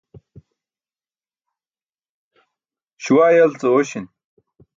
Śuwaa yal ce oośin.